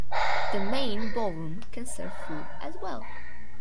The main ballroom can serve food as well.